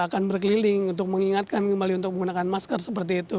yang akan berkeliling untuk mengingatkan untuk menggunakan maskar seperti itu